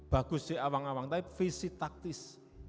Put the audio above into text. bagus di awang awang tapi visi taktis